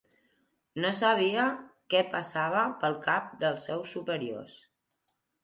No sabia què passava pel cap dels seus superiors.